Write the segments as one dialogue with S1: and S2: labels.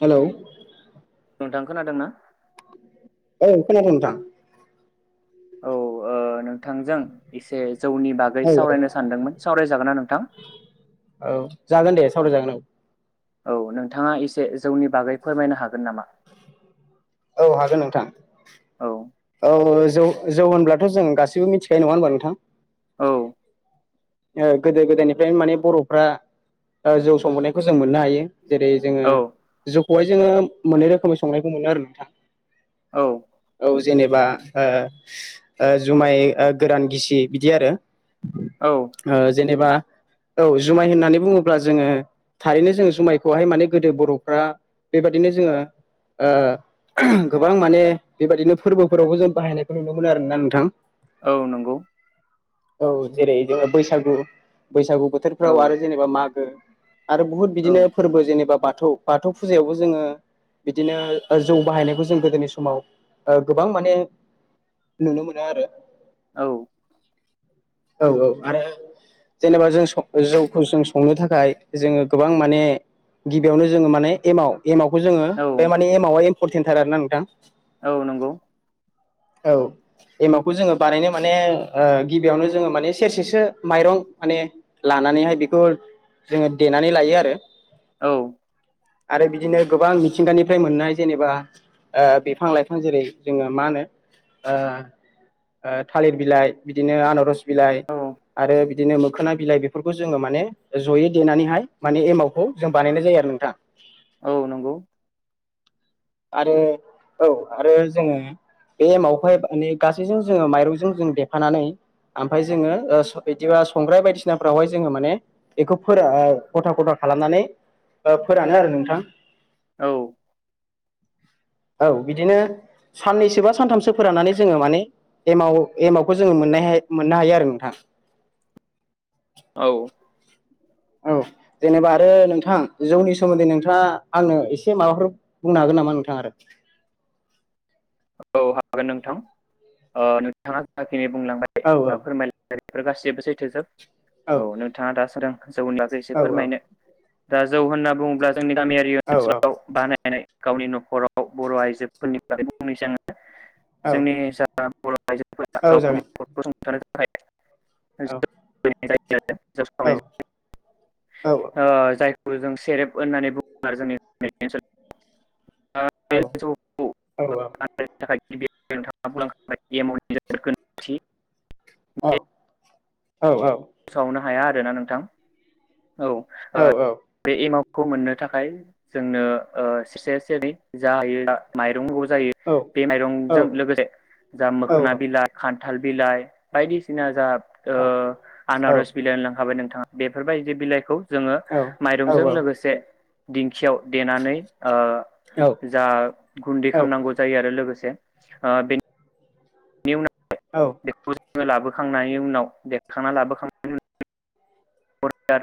S1: Hello?
S2: नोंथां खोनादोंना?
S1: औ खोनादों नोंथां।
S2: औ ओ नोंथांजों इसे जौनि बागै
S1: औ औ
S2: सावरायनो सानदोंमोन सावरायजागोनना नोंथां?
S1: औ जागोन दे सावराय जागोन औ।
S2: औ नोंथाङा इसे जौनि बागै फोरमायनो हागोन नामा?
S1: औ हागोन नोंथां।
S2: औ।
S1: औ जौ जौ होनब्लाथ' जों गासिबो मिथिखायो, नङा होनबा नोंथां?
S2: औ।
S1: ओ गोदो गोदायनिफ्रायनो माने बर'फ्रा ओ जौ संबोनायखौ जों मोननो हायो। जेरै जोङो
S2: औ
S1: जौखौहाय जोङो मोननै रोखोमै संनायखौ मोनो आरो नोंथां।
S2: औ।
S1: नेबा ओ ओ जुमाय ओ गोरान गिसि बिदि आरो।
S2: औ
S1: ओ जेनेबा औ जुमाय होननानै बुङोब्ला जोङो थारैनो जोंङो जुमायखौहाय माने गोदो बर'फ्रा बेबादिनो जोङो ओ गोबां माने बेबादिनो फोरबोफोरावबो जों बाहायनायखौ नुनो मोनो आरोना नोंथां।
S2: औ नंगौ।
S1: औ जेरै जोङो बैसागु, बैसागु
S2: औ
S1: बोथोरफ्राव आरो जेनेबा मागो। आरो बुहुत
S2: औ
S1: बिदिनो फोरबो जेनेबा बा थौ, बाथौ फुजायावबो जोङो बिदिनो जौ बाहायनायखौ जों गोदोनि समाव ओ गोबां माने नुनो मोनो आरो।
S2: औ।
S1: औ औ आरो जेनेबा जों स जौखौ जों संनो थाखाय जोङो गोबां माने गिबियावनो जोङो माने एमाव, एमावखौ जोङो
S2: औ
S1: बे माने एमवा एम्फरटेन्टथार आरोना नोंथां।
S2: औ नंगौ।
S1: औ एमावखौ जोङो बानायनो माने ओ गिबियावनो जोङो माने सेरसेसो माइरं माने लानानैहाय बेखौ जोङो देनानै लायो आरो।
S2: औ।
S1: आरो बिदिनो गोबां मिथिंगानिफ्राय मोननाय जेनेबा ओ बिफां लाइफां जेरै जोङो मा होनो ओ ओ थालिर बिलाइ, बिदिनो आनारस बिलाइ
S2: औ
S1: आरो बि दिनो मोखोना बिलाइ बेफोरखौ जोङो माने जयै देनानैहाय माने एमावखौ जों बानायनाय जायो आरो नोंथां।
S2: औ नंगौ।
S1: आरो औ आरो जोङो बे एमावखौहाय माने गासैजों जोङो माइरंजों जों देफानानै आमफाय जोङो ओ बिदिबा संग्राय बायदिसिनाफ्रावहाय जोङो माने बेखौ फोरा ओ खथा खथा खालामनानै ओ फोरानो आरो नोंथां।
S2: औ।
S1: औ बिदिनो साननैसो बा सानथामसो फोराननानै जोङो माने एमाव-एमवाखौ जोङो मोननायहाय मोननो हायो आरो नोंथां
S2: औ
S1: औ जेनेबा आरो नोंथां जौनि सोमोन्दै नोंथाङा आंनो एसे माबाफोर बुंनो हागोन नामा नोंथां आरो?
S2: [inaudible] औ हागोन नोंथां अ नोंथाङा जाखिनि बुंलांबाय दा फोरमायलाय बेफोर गासैबो सैथोजोब औ नोंथाङा दा सोरां जौनि बागै एसे फोरमायनो दा जौ होनना बुङोब्ला जोंनि गामियारि
S1: औ
S2: ओनसोलाव बानायनाय गावनि न'खराव बर' आइजोफोरनि बागै बुंनाय जागोन
S1: औ
S2: जोंनि जा बर' आइजोफोरा
S1: औ जागोन
S2: गावनिखौ संथानो थाखाय
S1: औ
S2: [unintelligible] खौ
S1: औ
S2: जों सेरेब
S1: औ
S2: होननानै बुङो [unintelligible] आरो जोंनि गामि ओनसोलाव
S1: औ औ
S2: [unintelligible] [unintelligible]
S1: औ औ औ
S2: फोसावनो हाया आरोना नोंथां
S1: औ औ
S2: खौ मोननो थाखाय जोंनो अ सेरसे सेरनै जायो माइरं जायो बे माइरंजों
S1: औ
S2: लोगोसे जा मोखोना बिला खान थाल बिलाइ बायदिसिना जा अ आनारस बिलाइ होन लांखाबाय नोंथाङा बेफोरबाय दि बिलाइखौ जोङो माइरंजों लोगोसे दिंखियाव देनानै अ जा गुन्दै खामनांगौ जायो आरो लोगोसे अ बे नि उनाव बेखौ जोङो लाबोखांनायनि उनाव देखांनानै लाबोखांनायनि [unintelligible]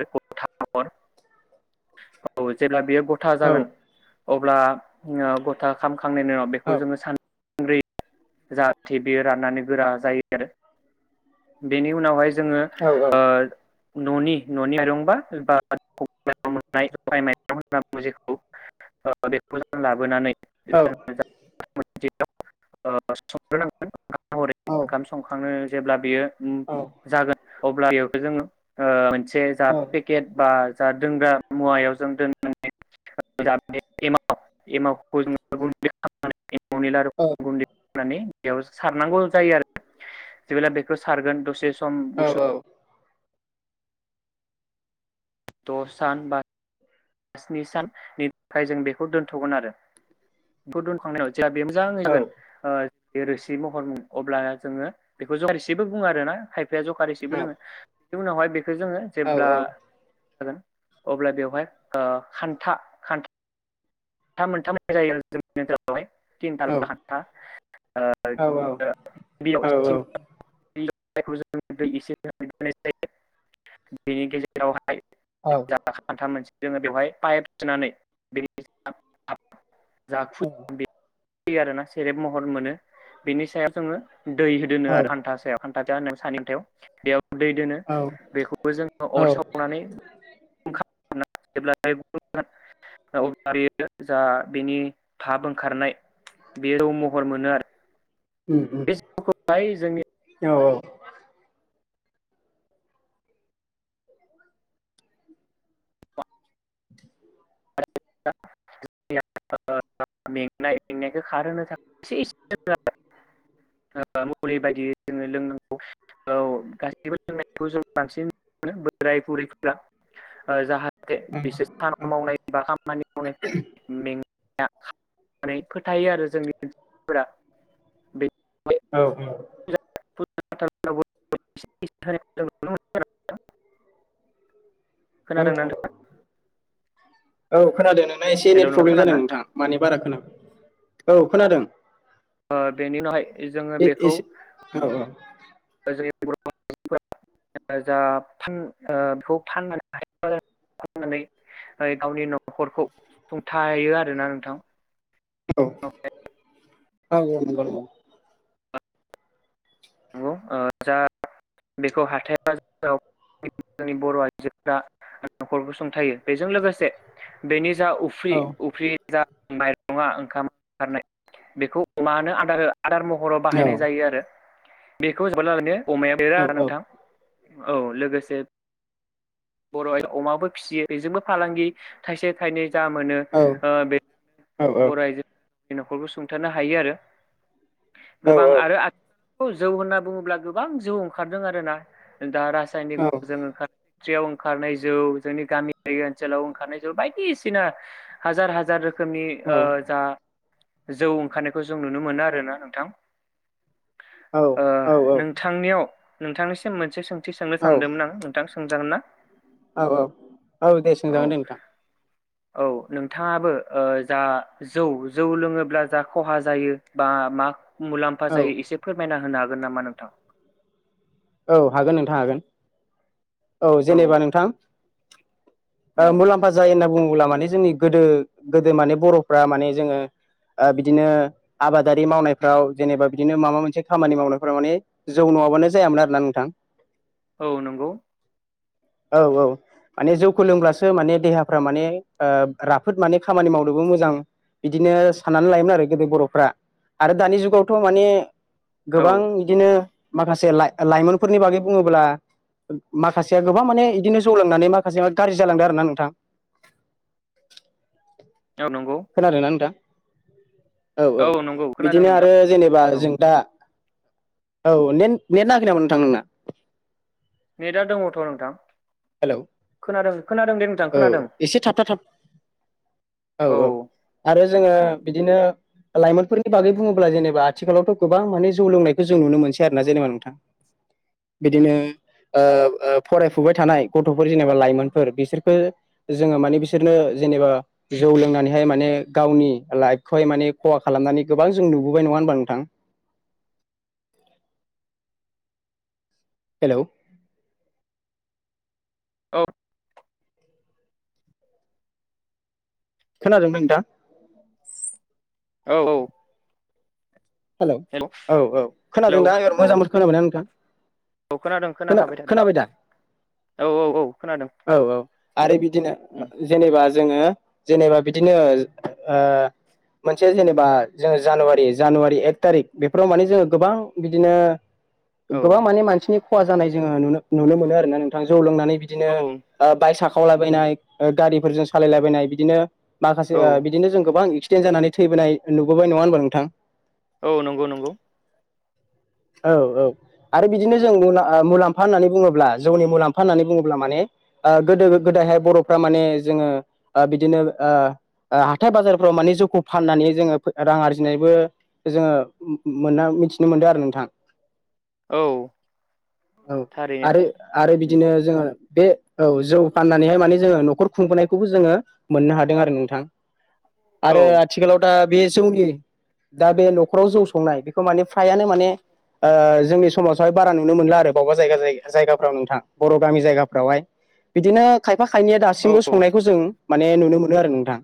S2: औ जेब्ला बियो गथा जागोन अब्ला अ गथा खामखांनायनि उनाव बेखौ जोङो सान दै जाहाथे बेयो राननानै गोरा जायो आरो बेनि उनावहाय जोङो ओ न'नि-न'नि माइरंबा बा [unintelligible] [unintelligible] [unintelligible] [unintelligible] ओंखाम महरै ओंखाम संखांनो जेब्ला बेयो उम जागोन अब्ला बेव जोङो ओ मोनसे जा पेकेट बा जा दोनग्रा मुवायाव जों दोननानै [unintelligible] [unintelligible] बेयाव सारनांगौ जायो आरो जेब्ला बेखौ सारगोन दसे सम गुसु द सान बा स्नि साननि थाखाय जों बेखौ दोनथ'गोन आरो बेखौ दोनखांनायाव जा बे मोजां जागोन ओ बे रोसि महरमोन अब्ला जोङो बेखौ जखारसेबो बुङो आरो ना खायफाया जखा रोसिबो लोङो बिनि उनावहाय बेखौ जोङो जेब्ला जागोन अब्ला बेवहाय ओ खान्था खान [unintelligible] [unintelligible]
S1: औ औ
S2: [unintelligible]
S1: औ
S2: बेनि गेजेरावहाय [unintelligible] जा फुद बे आरोना सेरेब महर मोनो बेनि सायाव जोङो दै
S1: औ
S2: होदोनो आरो हान्थासायाव हानथा [unintelligible] सानैथायाव बेयाव दै दोनो
S1: औ
S2: बेखौबो जोङो अर सावनानै [inaudible] अब्ला बेयो जा बेनि थाब ओंखारनाय बे रौ महर मोनो आरो।
S1: उम उम
S2: बे जौखौहाय जोंनि
S1: औ औ। [inaudible]
S2: [inaudible] [inaudible] मलि बायदियै जोङो लोंनांगौ औ गासैबो जों बांसिन बोराय बुरैफोरा जाहाथे बिसोर सान मावनाय बा खामानि मावनाय में नानै फोथायो आरो जोंनि ओनफोरा बे
S1: औ औ
S2: [inaudible]
S1: औ
S2: खोनादों
S1: औ
S2: नोंथां
S1: औ खोनादों नों एसे
S2: हेल'
S1: नेट
S2: नोंथां
S1: प्रब्लेम जादों
S2: खोनादोंना
S1: नोंथां मानि बारा खोनादों औ खोनादों
S2: ओ बेनि उनावहाय जोङो बेखौ
S1: एसे औ
S2: जा बेखौ ओ फाननानै हाय नानै गावनि न'खरखौ सुंथायो आरोना नोंथां
S1: औ औ औ नंगौ नंगौ
S2: नंगौ ओ जा बेखौ हाथाइ बाजाराव जोंनि बर' आइजोफोरा न'खर गसुंथायो बेजों लोगोसे बेनि जा उफ्रि उफ्रि जा माइरङा ओंखाम ओंखारनाय बेखौ अमानो आदार आदार महराव बाहायनाय जायो आरो बेखौ जबाय लानो अमाया देरा आरो नोंथां औ लोगोसे बर' अमाबो फिसियो बेजोंबो फालांगि थाइसे थाइनै जा मोनो ओ बेजोंनो बर' आइजोफोर न'खरखौ सुंथारानो हायो आरो गोबां आरो आथ जौ होन्ना बुङोब्ला गोबां जौ ओंखारदों आर ना दा रासायनिक मुलिजों ओंखार याव ओंखारनाय जौ जोंनि गामियारि ओनसोलाव ओंखारनाय जौ बायदिसिना हाजार हाजार रोखोम रोखोमनि ओ जा जौ ओंखारनायखौ जों नुनो मोनो आरोना नोंथां ओ नोंथांनियाव नोंथांनिसिम मोनसे सोंथि सोंनो सानदोंमोन आं नोंथां सोंजागोन ना
S1: औ औ औ दे सोंजागोन दे नोंथां
S2: औ नोंथाङाबो ओ जा जौ जौ लोङोब्ला जा खहा जायो बा मा? मुलाम्फा
S1: औ
S2: जायो एसे फोरमायना होनो हागोन नामा नोंथां?
S1: औ हागोन नोंथां हागोन औ जेनेबा नोंथां। ओ
S2: औ
S1: मुलाम्फा जायो होनना बुङोब्ला माने जोंनि गोदो गोदो माने बर'फ्रा माने जोङो ओ बिदिनो आबादारि मावनायफ्राव जेनेबा बिदिनो माबा मोनसे खामानि मावनायफ्राव मानानि जौ नङाबानो जायामोन आरोना नोंथां
S2: औ नंगौ।
S1: औ औ। माने जौखौ लोंब्लासो माने देहाफ्रा माने ओ राफोद माने खामानि मावनोबो मोजां। बिदिनो साननानै लायोमोन आरो गोदो बर'फ्रा आरो दानि जुगावथ' माने
S2: औ
S1: गोबां बिदिनो माखासे लाइमोनफोरनि बागै बुङोब्ला माखासेया गोबां माने बिदिनो जौ लांनानै माखासे गाज्रि जालांदों आरो ना नोंथां।
S2: [inaudible] औ नंगौ
S1: खोनादोंना नोंथां? औ औ
S2: नंगौ खोनादों
S1: बिदिनो
S2: नोंथां
S1: आरो जेनेबा
S2: औ
S1: जों दा औ ने नेट नाङाखै नामा नोंथां नोंना?
S2: नेटआ दङथ' नोंथां
S1: हेलौ
S2: खोनादों खोनादों दे नोंथां
S1: औ
S2: खोनादों
S1: एसे थाबथा थाब औ औ आरो जोङो
S2: औ
S1: बिदिनो लाइमोनफोरनि बागै बुङोब्ला जेनेबा आथिखालावथ' गोबां माने जौ लोंनायखौ जों नुनो मोनसै आरो ना जेनेबा नोंथां। बिदिनो ओ ओ फरायफुबाय थानाय गथ'फोर जेनेबा लाइमोनफोर बिसोर [inaudible] जोङो माने बिसोरनो जेनेबा जौ लोंनानैहाय माने गावनि लाइफखौहाय माने खहा खालामनानै गोबां जों नुबोबाय नङा होनबा नोंथां।
S2: [inaudible]
S1: हेल'!
S2: औ।
S1: खोनादों नोंथां?
S2: औ औ।
S1: हेल'! औ औ
S2: हेलौ
S1: खोनादोंदा [inaudible]
S2: औ
S1: मोजां खोनाबायना नोंथां?
S2: औ खोनादों
S1: खोना
S2: खोनाखाबाय थादों।
S1: खोनाबाय दा
S2: औ औ औ खोनादों
S1: औ औ आरो बिदिनो
S2: उम
S1: जेनेबा जोङो जेनेबा बिदिनो ओ मोनसे जेनेबा जोङो जानुवारि जानुवारि एक थारिख बेफोराव माने जोङो गोबां बिदिनो
S2: औ
S1: गोबां माने मानसिनि खहा जानाय जोङो नुनो मोनो आरोना नोंथां जौ लोंनानै बिदिनो
S2: औ
S1: ओ बाइक साखाव वलायबायनाय ओ गारिफोरजों सालायलायबायनाय बिदिनो माखासे
S2: औ
S1: ओ बिदिनो जों गोबां एक्सिडेन्ट जानानै थैबोनाय नुबोबाय नङा होनबा नोंथां
S2: औ नंगौ नंगौ
S1: औ औ आरो बिदिनो जों ओ मुलाम्फा होननानै बुङोब्ला जौनि मुलाम्फा होननानै बुङोब्ला माने ओ गोदो गोदायहाय बर'फ्रा माने जोङो ओ बिदिनो ओ ओ हाथाय बाजारफोराव माने जौखौ फाननानै जोङो रां आरजिनायबो जोङो मोन मिथिनो मोनदों आरो नोंथां
S2: औ
S1: औ
S2: थारैनो
S1: आरो आरो
S2: उम
S1: बिदिनो जोङो बे औ जौ फाननानैहाय माने जोङो न'खर खुंबोनायखौबो जोङो मोननो हादों आरो नोंथां
S2: [inaudible]
S1: आरो आथिखालाव दा बे जौनि दा बे न'खराव जौ संनाय बेखौ माने फ्रायानो माने ओ जोंनि समाजावहाय बारा नुनो मोनला आरो, बबेबा जायगा जायगाफ्राव नोंथां बर' गामि जायगाफ्रावहाय बिदिनो खाय फा खायनैया
S2: औ
S1: दासिमबो संनायखौ जों माने नुनो मोनो आरो नोंथां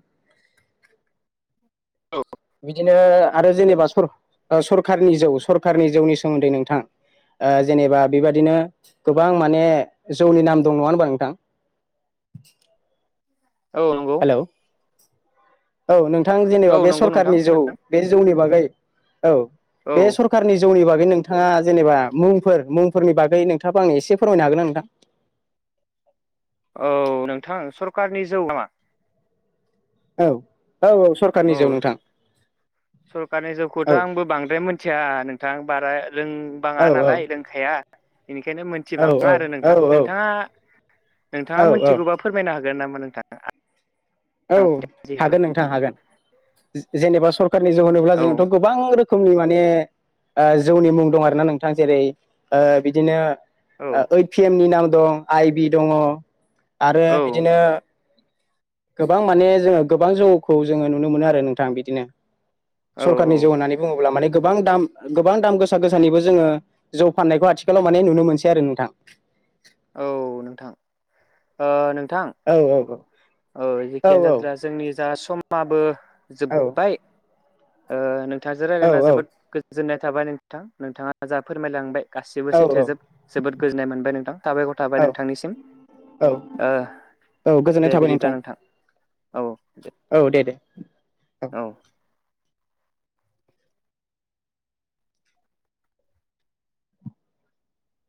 S2: औ
S1: बिदिनो आरो जेनेबा सर सरखारनि जौ सरखारनि जौनि सोमोन्दै नोंथां ओ जेनेबा बेबादिनो गोबां माने जौनि नाम दं नङा होनबा नोंथां [inaudible]
S2: औ नंगौ।
S1: हेलौ औ नोंथां
S2: औ
S1: जेनेबा बे
S2: नंगौ नोंथां
S1: सरखारनि जौ
S2: खोनादों
S1: बे जौनि बागै औ
S2: औ
S1: बे सरखारनि जौनि बागै नोंथाङा जेनेबा मुंफोर मुंफोरनि बागै नोंथाङाबो आंनो एसे फोरमायनो हागोन ना नोंथां?
S2: औ नोंथां सरकारनि जौ नामा
S1: औ औ औ सरखारनि जौ
S2: औ
S1: नोंथां।
S2: सरखारनि जौखौथ'
S1: औ
S2: आंबो बांद्राय मिथिया नोंथां बारा
S1: औ
S2: रोंबाङा नालाय लोंखाया बेनिखायनो
S1: औ
S2: मिथिबाङा
S1: औ
S2: आरो नोंथां, नोंथाङा नोंथाङा
S1: औ
S2: मिथिगौबा फोरमायनो हागोन नामा नोंथां?
S1: औ
S2: जिहेथु
S1: हागोन नोंथां हागोन। जेनेबा सरखारारनि जौ होनोब्ला
S2: औ
S1: जोंथ' गोबां रोखोम मनि माने ओ जौनि मुं दं आरोना नोंथां ओ जेरै बिदिनो
S2: औ
S1: ओइद पि एम नि नाम दं, आइ बि दङ आरो
S2: औ
S1: बिदिनो गोबां माने जोङो गोबां जौखौ जोङो नुनो मोनो आरो नोंथां बिदिनो
S2: औ
S1: सरखारनि जौ होननानैु बुङोब्ला माने गोबां दाम गोबां दाम गोसा गोसानिबो जोङो जौ फाननायखौ आथिखालाव माने नुनो मोनसै आरो नोंथां
S2: अ नों
S1: औ औ
S2: औ जेखियानो जादोला जोंनि जा समाबो
S1: औ
S2: जोबबाय ओ नोंथाजो
S1: औ
S2: रायलायना जोबोद गोजोननाय थाबाय नोंथां नोंथाङा जा फोरमायलांबाय
S1: औ
S2: गासिबो सैथो जोब जोबोद गोजोननाय मोनबाय नोंथां थाबायख'र
S1: औ
S2: थाबाय नोंथांनिसिम
S1: औ
S2: ओ
S1: औ गोजोननाय
S2: दे
S1: थाबाय नों-
S2: बिदिब्ला
S1: थां
S2: नोंथां औ
S1: औ दे दे
S2: औ